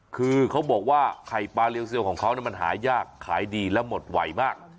คือเขาบอกว่าไข่ปลาเรียวเซลล์ของเขามันหายากขายดีและหมดไหวมาก